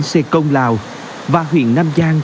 xê công lào và huyện nam giang